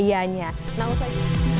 terima kasih banyak sudah datang